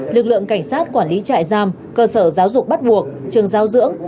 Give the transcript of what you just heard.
lực lượng cảnh sát quản lý trại giam cơ sở giáo dục bắt buộc trường giao dưỡng